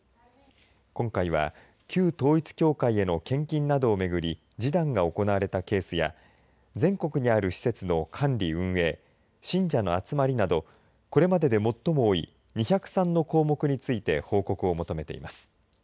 今回は旧統一教会の献金などを巡り示談が行われたケースや全国にある施設の管理運営信者の集まりなど、これまでで最も多い２０３の項目について報告を求めています。